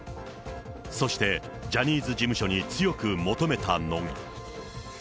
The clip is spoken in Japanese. そして、ジャニーズ事務所に強く求めたのが。